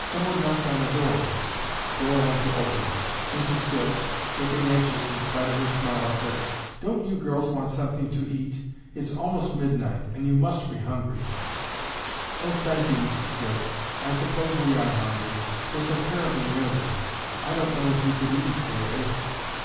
"Someone knocked on the door." Dora went to open it. Mrs. Goode, looking anxious in spite of her smile, said, "Don't you girls want something to eat? It's almost midnight and you must be hungry." "Oh, thank you, Mrs. Goode, I suppose we are hungry. We're so terribly nervous, I don't know as we could eat, really."